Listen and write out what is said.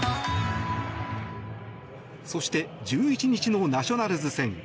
そして１１日のナショナルズ戦。